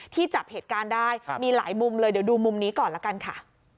จับเหตุการณ์ได้มีหลายมุมเลยเดี๋ยวดูมุมนี้ก่อนละกันค่ะ